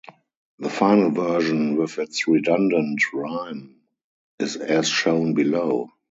The final version, with its redundant rhyme, is as shown below.